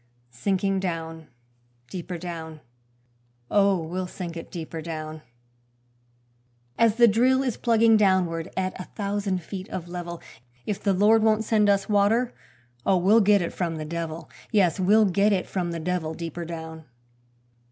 Sinking down, deeper down, Oh, we'll sink it deeper down: As the drill is plugging downward at a thousand feet of level, If the Lord won't send us water, oh, we'll get it from the devil; Yes, we'll get it from the devil deeper down.